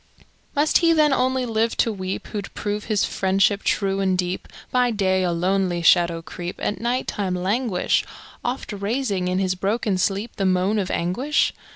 Must he then only live to weep, WhoŌĆÖd prove his friendship true and deep By day a lonely shadow creep, At night time languish, Oft raising in his broken sleep The moan of anguish?